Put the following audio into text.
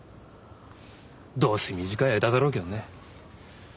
どうせ短い間だろうけどね。